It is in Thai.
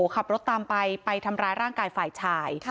ขับรถตามไปไปทำร้ายร่างกายฝ่ายชาย